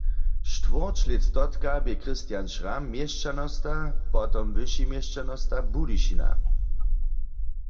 Štwórć lětstotka bě Christian Schramm měšćanosta, potom wyši měšćanosta Budyšina.